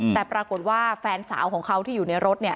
แต่ปรากฏว่าแฟนสาวของเขาที่อยู่ในรถเนี่ย